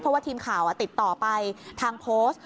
เพราะว่าทีมข่าวติดต่อไปทางโพสต์